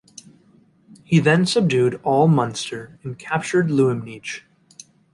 He then subdued all Munster and captured Luimneach.